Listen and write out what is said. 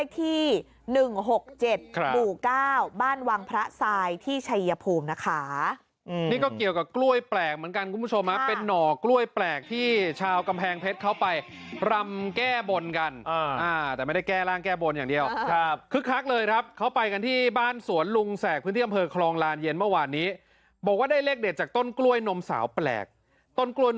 ที่๑๖๗หมู่๙บ้านวังพระทรายที่ชัยภูมินะคะนี่ก็เกี่ยวกับกล้วยแปลกเหมือนกันคุณผู้ชมเป็นหน่อกล้วยแปลกที่ชาวกำแพงเพชรเขาไปรำแก้บนกันแต่ไม่ได้แก้ร่างแก้บนอย่างเดียวครับคึกคักเลยครับเขาไปกันที่บ้านสวนลุงแสกพื้นที่อำเภอคลองลานเย็นเมื่อวานนี้บอกว่าได้เลขเด็ดจากต้นกล้วยนมสาวแปลกต้นกล้วย